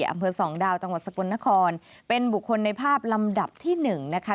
อำเภอสองดาวจังหวัดสกลนครเป็นบุคคลในภาพลำดับที่หนึ่งนะคะ